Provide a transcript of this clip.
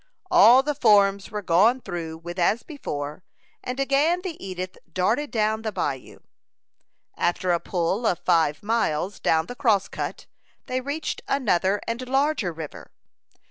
All the forms were gone through with as before, and again the Edith darted down the bayou. After a pull of five miles down the Crosscut, they reached another and larger river.